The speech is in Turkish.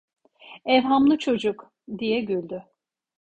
"Evhamlı çocuk…" diye güldü.